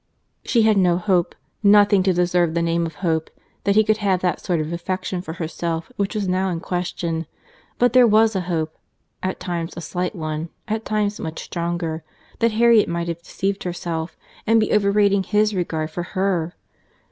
—She had no hope, nothing to deserve the name of hope, that he could have that sort of affection for herself which was now in question; but there was a hope (at times a slight one, at times much stronger,) that Harriet might have deceived herself, and be overrating his regard for her.